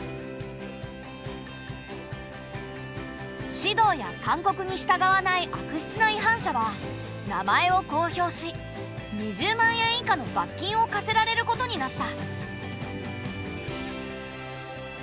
指導や勧告に従わない悪質な違反者は名前を公表し２０万円以下の罰金を科せられることになった。